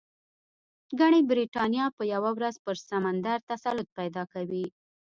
ګنې برېټانیا به یوه ورځ پر سمندر تسلط پیدا کوي.